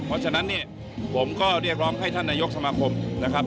เพราะฉะนั้นเนี่ยผมก็เรียกร้องให้ท่านนายกสมาคมนะครับ